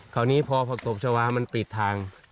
คราวนี้พอผักตบชาวามันปิดทาง